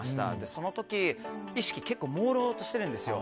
その時、意識結構もうろうとしてるんですよ。